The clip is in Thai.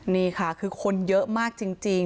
นี่ค่ะคือคนเยอะมากจริง